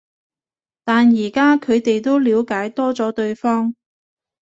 但而家佢哋都了解多咗對方